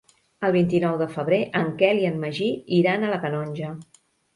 El vint-i-nou de febrer en Quel i en Magí iran a la Canonja.